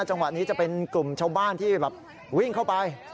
จังหวะนี้จะเป็นกลุ่มชาวบ้านที่แบบวิ่งเข้าไป